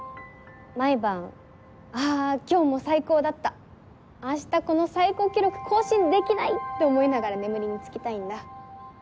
毎晩「あ今日も最高だった明日この最高記録更新できない」って思いながら眠りにつきたいんだ。